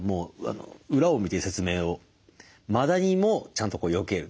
マダニもちゃんとよける。